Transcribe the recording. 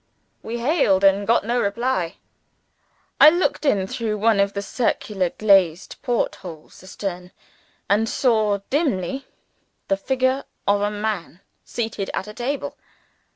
We hailed, and got no reply. I looked in through one of the circular glazed port holes astern, and saw dimly the figure of a man seated at a table.